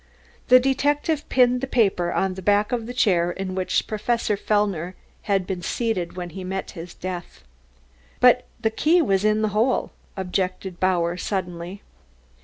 The detective pinned the paper on the back of the chair in which Professor Fellner had been seated when he met his death. "But the key was in the hole," objected Bauer suddenly.